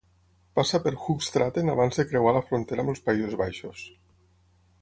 Passa per Hoogstraten abans de creuar la frontera amb els Països Baixos.